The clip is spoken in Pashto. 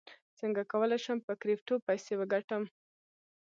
څنګه کولی شم په کریپټو پیسې وګټم